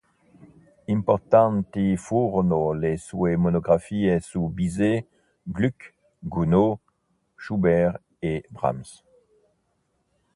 Importanti furono le sue monografie su Bizet, Gluck, Gounod, Schubert e Brahms.